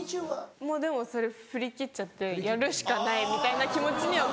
もうでもそれ振り切っちゃってやるしかないみたいな気持ちには。